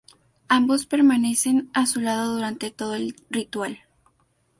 Ambos permanecen a su lado durante todo el ritual.